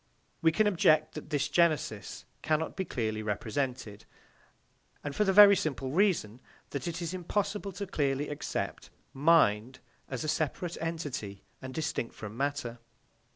We can object that this genesis cannot be clearly represented, and that for the very simple reason that it is impossible to clearly accept "mind" as a separate entity and distinct from matter.